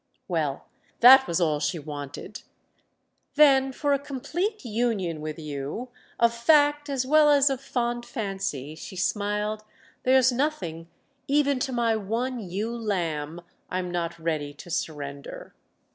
Well, that was all she wanted. "Then for a complete union with you—of fact as well as of fond fancy!" she smiled—"there's nothing, even to my one ewe lamb, I'm not ready to surrender."